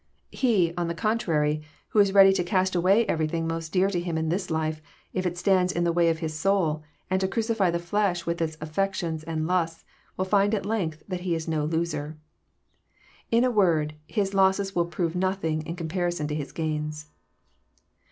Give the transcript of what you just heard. He, on the contrary, who is ready to cast away everything most dear to him in this life, if it stands in the way of his soul, and to crucify the flesh with its affections and lusts, will find at length that he is no loser. In a word, his losses will prove nothing in' comparison to his gains.